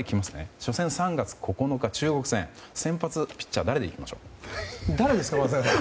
初戦３月９日、中国戦先発ピッチャー誰で行きましょう？